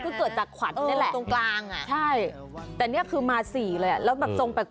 คือเกิดจากขวัดนี่แหละใช่แต่นี่คือมาสีเลยแล้วแบบจงแปลก